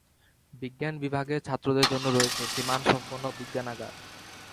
বিজ্ঞান বিভাগের ছাত্রদের জন্য রয়েছে একটি মান সম্পন্ন বিজ্ঞানাগার।